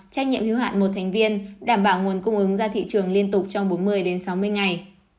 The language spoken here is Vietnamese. trách nhiệm hiếu hạn một thành viên đảm bảo nguồn cung ứng ra thị trường liên tục trong bốn mươi sáu mươi ngày